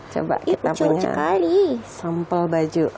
coba kita punya sampel baju